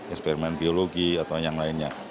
eksperimen biologi atau yang lainnya